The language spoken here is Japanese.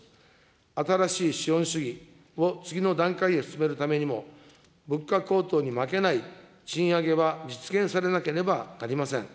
新しい資本主義を次の段階へ進めるためにも、物価高騰に負けない賃上げは実現されなければなりません。